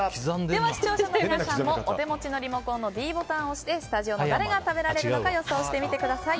では視聴者の皆さんもお手持ちのリモコンのｄボタンを押してスタジオの誰が食べられるのか予想してみてください。